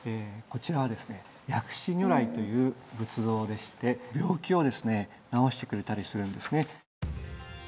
こちらはですね薬師如来という仏像でして病気をですね治してくれたりするんですね。